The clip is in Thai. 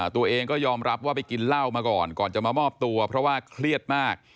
ตัวเองก็ยอมรับว่าไปกินเหล้ามาก่อนก่อนจะมามอบตัวเพราะว่าเครียดมาก